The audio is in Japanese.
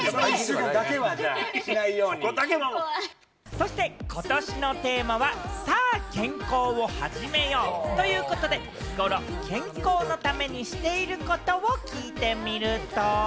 そして、ことしのテーマは「さあ、ケンコーをはじめよう！」ということで、日ごろ健康のためにしていることを聞いてみると。